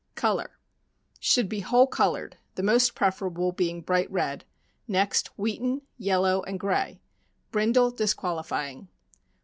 Color. — Should be "whole colored," the most preferable being bright red; next wheaten, yellow, and gray — brindle disqualifying.